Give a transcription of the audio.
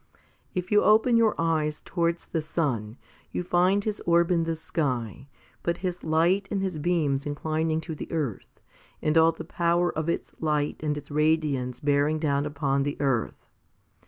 6. If you open your eyes towards the sun, you find his orb in the sky, but his light and his beams inclining to the earth, and all the power of its light and its radiance bearing down upon the earth.